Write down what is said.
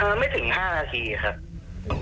บุคคลีอ่าไม่ถึง๕นาทีครับ